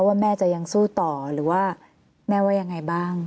ว่าแม่จะยังสู้ต่อหรือว่าแม่ว่ายังไงบ้าง